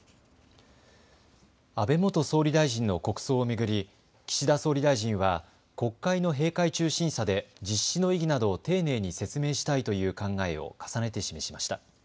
安倍元総理大臣の国葬を巡り岸田総理大臣は国会の閉会中審査で実施の意義などを丁寧に説明したいという考えを重ねて示しました。